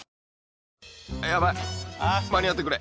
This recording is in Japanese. やばい間に合ってくれ。